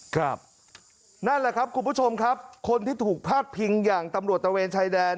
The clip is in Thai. ครับนั่นแหละครับคุณผู้ชมครับคนที่ถูกพาดพิงอย่างตำรวจตะเวนชายแดน